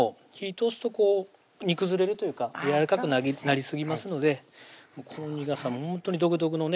通すとこう煮崩れるというかやわらかくなりすぎますのでこの苦さもほんとに独特のね